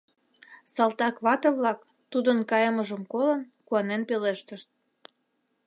Салтак вате-влак, тудын кайымыжым колын, куанен пелештышт: